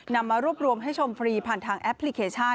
นำมารวบรวมให้ชมฟรีผ่านทางแอปพลิเคชัน